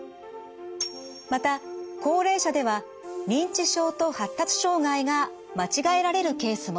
また高齢者では認知症と発達障害が間違えられるケースも。